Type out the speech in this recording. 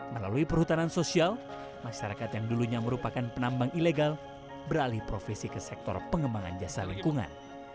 melalui perhutanan sosial masyarakat yang dulunya merupakan penambang ilegal beralih profesi ke sektor pengembangan jasa lingkungan